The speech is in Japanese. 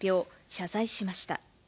謝罪しました。